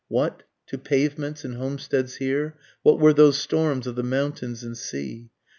What, to pavements and homesteads here, what were those storms of the mountains and sea?